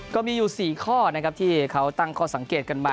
ก็มีอยู่๔ข้อนะครับที่เขาตั้งข้อสังเกตกันมา